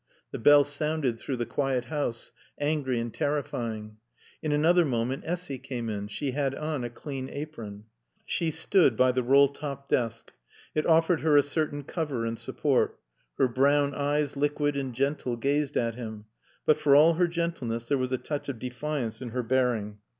The bell sounded through the quiet house, angry and terrifying. In another moment Essy came in. She had on a clean apron. She stood by the roll top desk. It offered her a certain cover and support. Her brown eyes, liquid and gentle, gazed at him. But for all her gentleness there was a touch of defiance in her bearing.